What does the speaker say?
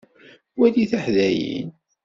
Wali tiḥdayin.